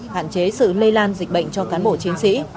hạn chế sự lây lan dịch bệnh cho cán bộ chiến sĩ